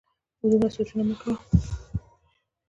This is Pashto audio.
دومره سوچونه مه کوه